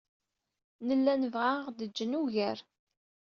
Nella nebɣa ad aɣ-d-jjen ugar.